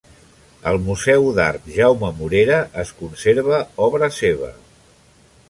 Al Museu d'Art Jaume Morera es conserva obra seva.